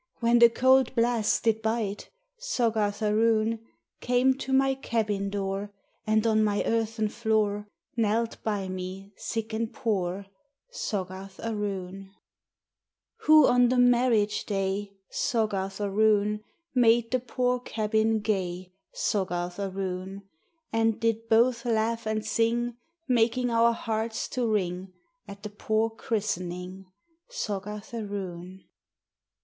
When the cold blasts did bite, Soggarth aroon, * Priest, dear. FAITH: Hon:: LOVE: SERVICE. 171 Came to my cabin door, And on my earthen floor Knelt by me, sick and poor, Soggarth aroon? Who, on the marriage day, Soggarth aroon. Made the poor cabin gay, Soggarth aroon. And did both laugh and sing. Making our hearts to ring At the poor christening, Soggarth aroon?